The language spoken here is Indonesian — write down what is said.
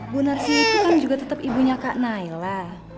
bu narsi itu kan juga tetap ibunya kak naila